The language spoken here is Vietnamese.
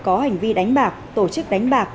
có hành vi đánh bạc tổ chức đánh bạc